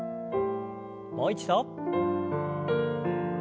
もう一度。